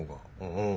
うん。